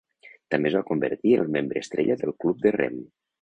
També es va convertir en el membre estrella del club de rem.